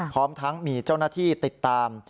พร้อมทั้งมีเจ้าหน้าที่ติดตาม